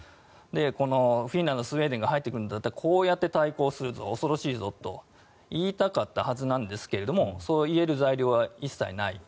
このフィンランドスウェーデンが入ってくるならこうやって対抗するぞ恐ろしいぞと言いたかったはずですがそう言える材料は一切ない。